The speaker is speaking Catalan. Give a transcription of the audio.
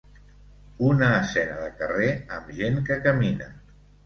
Una escena de carrer amb gent que camina.